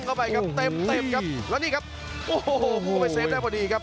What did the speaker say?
เข้าไปครับเต็มครับแล้วนี่ครับโอ้โหพุ่งเข้าไปเซฟได้พอดีครับ